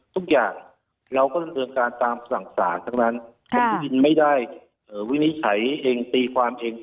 ทุกอย่างเราก็จำเนินจากการวินิไขเองตีความเอง